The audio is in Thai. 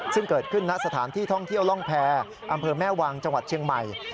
ซึ่งเกิดขึ้นณสถานที่ท่องเที่ยวร่องแพรอำเภอแม่วางจังหวัดเชียงใหม่